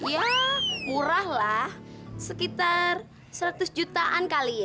ya kurahlah sekitar seratus jutaan kali ya